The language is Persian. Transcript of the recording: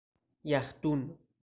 یخ دون